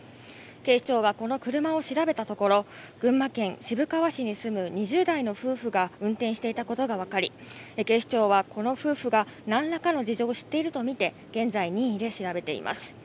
警視庁がこの車を調べたところ群馬県渋川市に住む２０代の夫婦が運転していたことが分かり警視庁はこの夫婦が何らかの事情を知っているとみて現在、任意で調べています。